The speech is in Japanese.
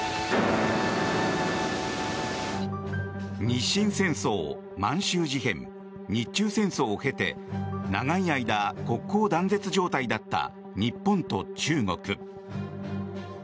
日清戦争、満州事変日中戦争を経て長い間、国交断絶状態だった日本と中国。